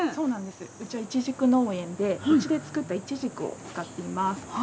うちはイチジク農園で、うちで作ったイチジクを使っています。